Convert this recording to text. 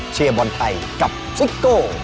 เชียร์บอลไทยกับซิโก้